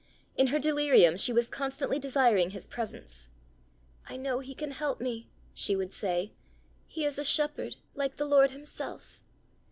In her delirium she was constantly desiring his presence. "I know he can help me," she would say; "he is a shepherd, like the Lord himself!"